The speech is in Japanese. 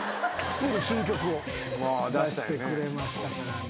ついに新曲を出してくれましたからね。